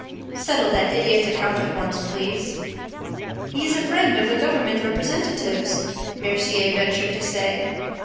"Settle that idiot's account at once, please." "He is a friend of the government representative's!" Mercier ventured to say.